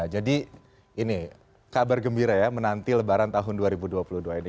jadi ini kabar gembira ya menanti lebaran tahun dua ribu dua puluh dua ini